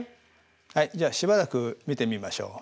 はいじゃあしばらく見てみましょう。